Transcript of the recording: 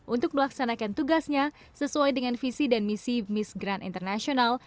untuk melaksanakan tugasnya sesuai dengan visi dan misi miss grand internasional